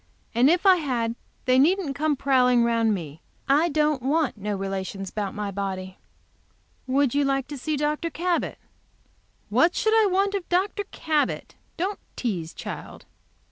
"And if I had they needn't come prowling around me. I don't want no relations about my body." "Would you like to see Dr. Cabot?" "What should I want of Dr. Cabot? Don't tease, child."